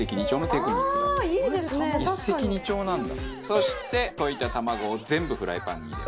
そして溶いた卵を全部フライパンに入れます。